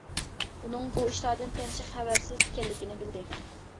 ئۇنىڭ بۇ ئىشلاردىن تېخىچە خەۋەرسىز ئىكەنلىكىنى بىلدى.